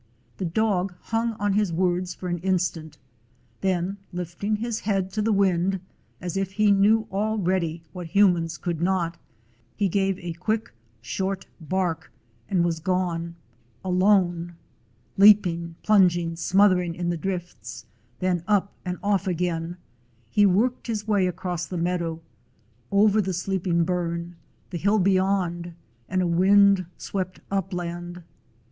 The dog hung on his words for an instant. Then, lifting his head to the wind, as if he knew already what humans could not, he gave a quick, short bark and was gone, alone. Leaping, plunging, smothering in the drifts, then up and off again, he worked his way across the meadow, over the sleeping burn, the hill beyond, and a wind swept upland.